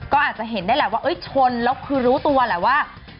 ก็อาจจะเห็นได้แหละว่าชนแล้วคือรู้ตัวแหละว่า